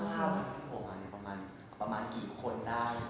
เข้ามาที่โทรมาประมาณกี่คนได้